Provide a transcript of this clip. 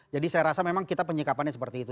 jadi saya rasa memang kita penyikapannya seperti itu